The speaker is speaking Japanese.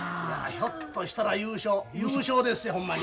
ひょっとしたら優勝優勝でっせほんまに。